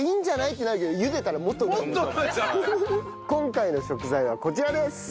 今回の食材はこちらです。